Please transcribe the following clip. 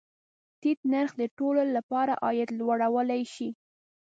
ټیټ نرخ د ټولو له پاره عاید لوړولی شي.